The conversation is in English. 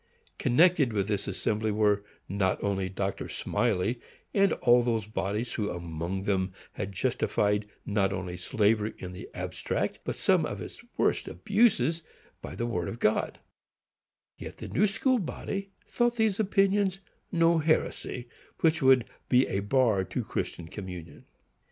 Connected with this Assembly were, not only Dr. Smylie, and all those bodies who, among them, had justified not only slavery in the abstract, but some of its worst abuses, by the word of God; yet the New School body thought these opinions no heresy which should be a bar to Christian communion!